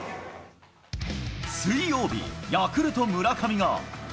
水曜日、ヤクルト、村上が。